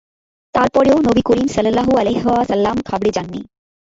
তারপরেও নবী করীম সাল্লাল্লাহু আলাইহি ওয়াসাল্লাম ঘাবড়ে যাননি।